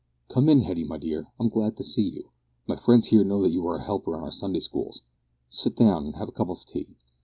"Come in, Hetty, my dear; I'm glad to see you. My friends here know that you are a helper in our Sunday schools. Sit down, and have a cup of tea.